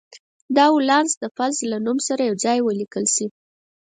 دا ولانس د فلز له نوم سره یو ځای ولیکل شي.